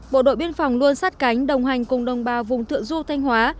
bộ đội biên phòng luôn sát cánh đồng hành cùng đồng bào vùng thượng du thanh hóa